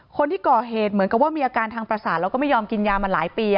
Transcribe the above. คนที่ก่อเหตุเหมือนกับว่ามีอาการทางประสาทแล้วก็ไม่ยอมกินยามาหลายปี